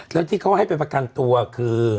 แล้วที่เขาให้ไปประกันตัวคือ